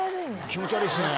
気持ち悪いですね。